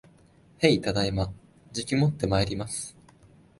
へい、ただいま。じきもってまいります